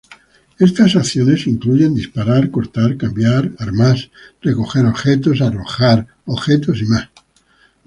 Estas acciones incluyen disparar, cortar, cambiar armas, recoger objetos, arrojar objetos y más.